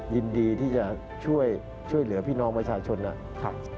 ยินดีที่จะช่วยเหลือพี่น้องประชาชนนะครับ